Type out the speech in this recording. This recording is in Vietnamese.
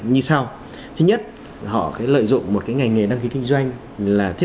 như sau thứ nhất họ lợi dụng một cái ngành nghề đăng ký kinh doanh